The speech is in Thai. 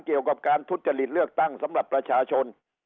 เกี่ยวกับการทุจริตเลือกตั้งสำหรับประชาชน